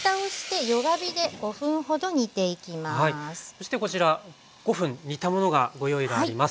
そしてこちら５分煮たものがご用意があります。